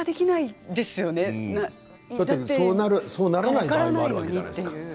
そうならないこともあるわけじゃないですか。